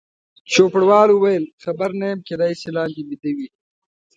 چوپړوال وویل: خبر نه یم، کېدای شي لاندې بیده وي.